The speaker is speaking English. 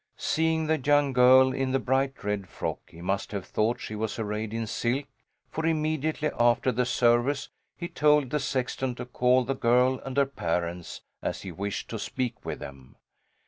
Seeing the young girl in the bright red frock he must have thought she was arrayed in silk, for immediately after the service he told the sexton to call the girl and her parents, as he wished to speak with them.